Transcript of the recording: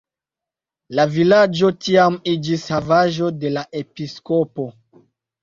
La vilaĝo tiam iĝis havaĵo de la episkopo.